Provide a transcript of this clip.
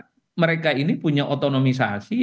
karena mereka ini punya otonomisasi yang tidak bisa dikawal